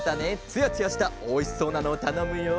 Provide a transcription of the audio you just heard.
つやつやしたおいしそうなのをたのむよ。